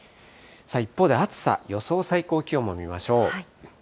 一方で暑さ、予想最高気温も見ましょう。